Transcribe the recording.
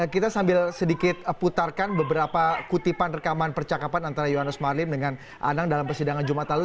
kita sambil sedikit putarkan beberapa kutipan rekaman percakapan antara yohannes marlim dengan anang dalam persidangan jumat lalu